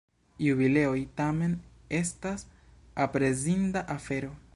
Jubileoj, tamen, estas aprezinda afero.